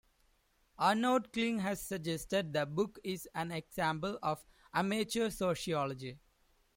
Arnold Kling has suggested the book is an example of "amateur sociology".